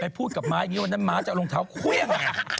พูดกับม้าอย่างนี้วันนั้นม้าจะเอารองเท้าเครื่อง